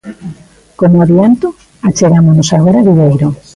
Como adianto, achegámonos agora a Viveiro.